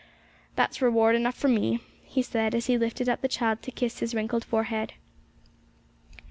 That's reward enough for me,' he said, as he lifted up the child to kiss his wrinkled forehead.